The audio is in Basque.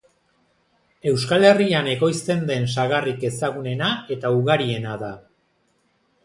Euskal Herrian ekoizten den sagarrik ezagunena eta ugariena da.